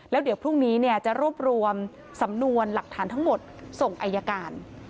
แล้วเดี๋ยวพรุ่งนี้จะรวบรวมสำนวนหลักฐานทั้งหมดส่งอายการ